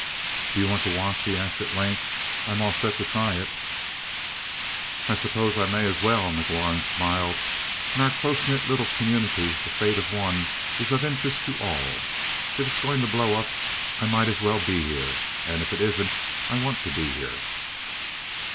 "Do you want to watch?" he asked at length. "I'm all set to try it." "I suppose I may as well." McLaurin smiled. "In our close knit little community the fate of one is of interest to all. If it's going to blow up, I might as well be here, and if it isn't, I want to be."